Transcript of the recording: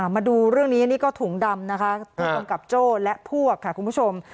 มาดูเรื่องนี้นี่ก็ถุงดำนะคะผู้กำกับโจ้และพวกค่ะคุณผู้ชม